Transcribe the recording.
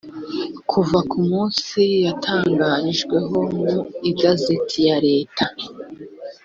kuva ku munsi yatangarijweho mu igazeti ya leta